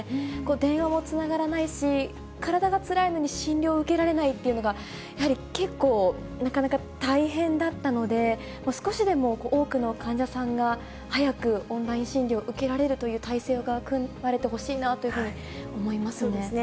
電話もつながらないし、体がつらいのに診療を受けられないというのが、やはり結構、なかなか大変だったので、少しでも多くの患者さんが、早くオンライン診療受けられるという体制が組まれてほしいなといそうですね。